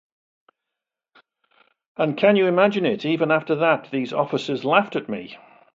And can you imagine it, even after that, these officers laughed at me ...